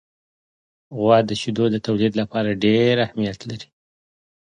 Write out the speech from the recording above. غوا د شیدو د تولید لپاره ډېر اهمیت لري.